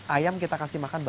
ayam kita kasih makan